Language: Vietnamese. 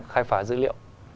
thì khi mà chúng tôi thành lập